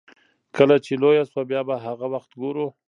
کله چې لويه شوه بيا به هغه وخت ګورو.